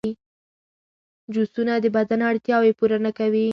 جوسونه د بدن اړتیاوې پوره نه کوي.